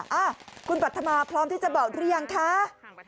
พี่ค่ะอ้าวคุณปัฒนมาพร้อมที่จะบอกเรียงคะ